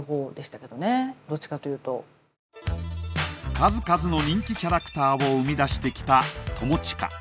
数々の人気キャラクターを生み出してきた友近。